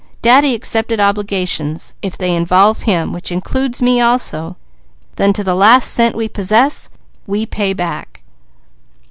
Daddy accepted obligations; if they involve him, which includes me also, then to the last cent we possess, we pay back."